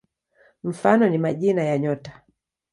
Mfano ni majina ya nyota.